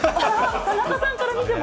田中さんから見ても？